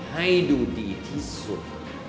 ให้ดูดีที่สุด